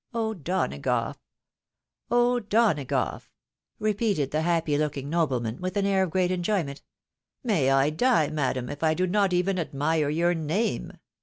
O'Donagough ! O'Donagough !" repeated the happy looking nobleman, with an air of great enjoyment, " may I die, madam, if I do not even admire yoiir name.